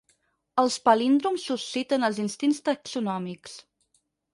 Els palíndroms susciten els instints taxonòmics.